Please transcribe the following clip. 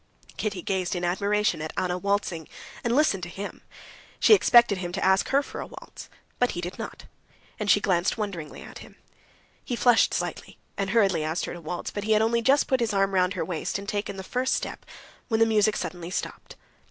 Kitty gazed in admiration at Anna waltzing, and listened to him. She expected him to ask her for a waltz, but he did not, and she glanced wonderingly at him. He flushed slightly, and hurriedly asked her to waltz, but he had only just put his arm round her waist and taken the first step when the music suddenly stopped.